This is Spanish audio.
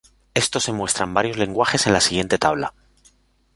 Esto se muestra en varios lenguajes en la siguiente tabla.